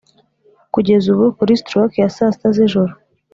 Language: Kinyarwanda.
kugeza ubu, kuri stroke ya saa sita z'ijoro,